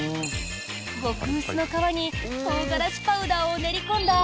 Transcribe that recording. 極薄の皮にトウガラシパウダーを練り込んだ